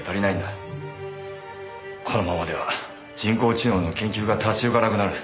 このままでは人工知能の研究が立ち行かなくなる。